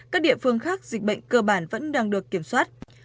các địa phương khác dịch bệnh cơ bản vẫn đang được kiểm soát